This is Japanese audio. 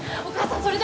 お母さん